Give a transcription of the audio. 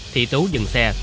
thị tú dừng xe